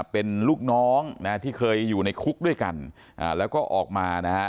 เป็นลูกน้องนะที่เคยอยู่ในคุกด้วยกันแล้วก็ออกมานะฮะ